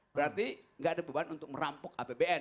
berarti nggak ada beban untuk merampok apbn